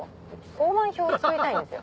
香盤表を作りたいんですよ